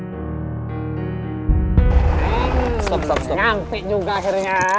neng ngampe juga akhirnya